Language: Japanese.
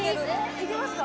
いけますか？